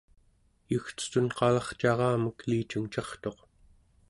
yugcetun qalarcaramek elicungcartuq